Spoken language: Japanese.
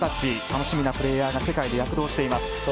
楽しみなプレーヤーが世界で躍動しています。